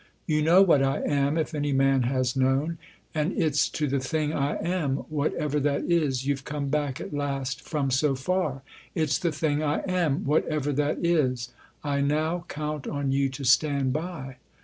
" You know what I am, if any man has known, and it's to the thing I am whatever that is you've come back at last from so far. It's the thing I am whatever that is I now count on you to stand by."